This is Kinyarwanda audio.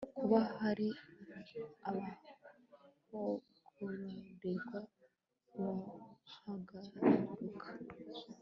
kuba hari abahagororerwa bahagaruka